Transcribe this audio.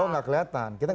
oh gak kelihatan